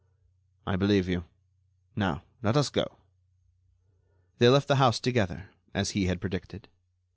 "I believe you. Now, let us go." They left the house together, as he had predicted.